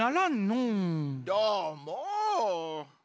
どーも。